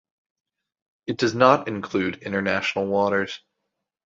It does not include international waters.